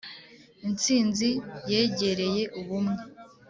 intsinzi yegereye ubumwe